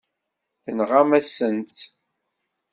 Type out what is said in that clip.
Tenɣam-asen-tt.